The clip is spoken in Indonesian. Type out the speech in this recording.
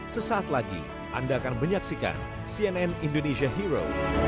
sesaat lagi anda akan menyaksikan cnn indonesia hero